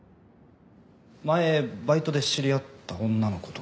前バイトで知り合った女の子と。